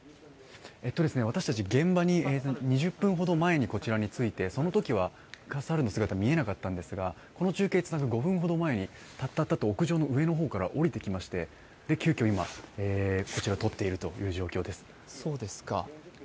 私たち、現場に２０分ほど前にここに着いてそのときは猿の姿は見えなかったんですが、この中継をつなぐ５分ほど前に、タッタッタッと屋上の上の方から降りてきまして、急きょ撮っている状況です。